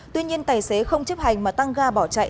tuy nhiên tài xế không chấp hành mà tăng ga bỏ chạy